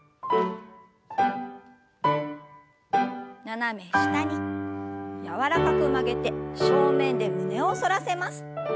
斜め下に柔らかく曲げて正面で胸を反らせます。